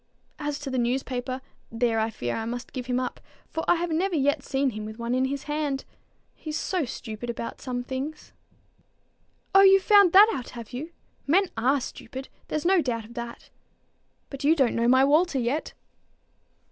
As to the newspaper, there I fear I must give him up, for I have never yet seen him with one in his hand. He's so stupid about some things!" "Oh, you've found that out! have you? Men are stupid; there's no doubt of that. But you don't know my Walter yet."